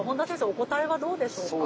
お答えはどうでしょうか。